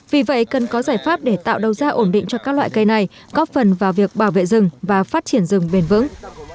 vì vậy cần có giải pháp để tạo đầu ra ổn định cho các loại cây này góp phần vào việc bảo vệ rừng và phát triển rừng bền vững